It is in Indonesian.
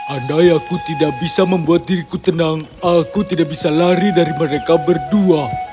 andai aku tidak bisa membuat diriku tenang aku tidak bisa lari dari mereka berdua